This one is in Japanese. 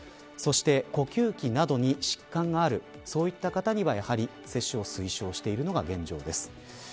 そして、呼吸器などに疾患がある方には接種を推奨しているのが現状です。